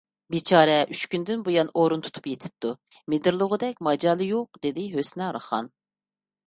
— بىچارە ئۈچ كۈندىن بۇيان ئورۇن تۇتۇپ يېتىپتۇ، مىدىرلىغۇدەك ماجالى يوق، — دېدى ھۆسنارخان.